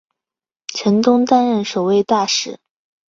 陈东担任首位大使。